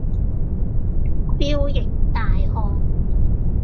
彪形大漢